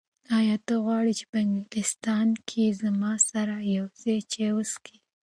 ایا ته غواړې چې په انګلستان کې زما سره یو ځای چای وڅښې؟